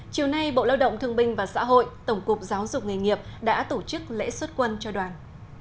chiều nay bộ lao động thương binh và xã hội tổng cục giáo dục nghề nghiệp đã tổ chức lễ xuất quân cho đoàn